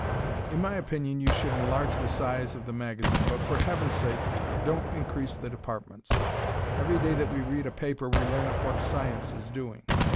In my opinion you should enlarge the size of the magazine, but for heaven's sake don't increase the departments. Every day that we read a paper we learn of what science is doing.